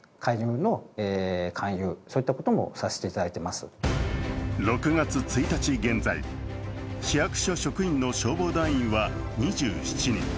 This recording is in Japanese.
また松本市役所では６月１日現在、市役所職員の消防団員は２７人。